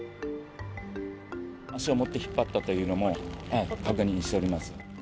足を持って引っ張ったというのも確認しております。